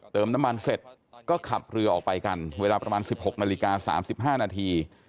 เติมน้ำมันเสร็จก็ขับเรือออกไปกันเวลาประมาณ๑๖นาฬิกา๓๕นาที